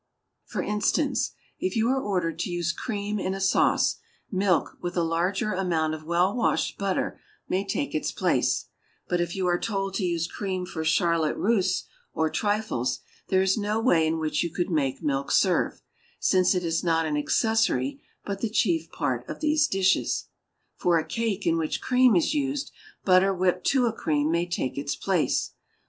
For instance, if you are ordered to use cream in a sauce, milk with a larger amount of well washed butter may take its place; but if you are told to use cream for charlotte russe or trifles, there is no way in which you could make milk serve, since it is not an accessory but the chief part of those dishes. For a cake in which cream is used, butter whipped to a cream may take its place.